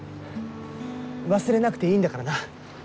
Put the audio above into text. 忘れなくていいんだからな。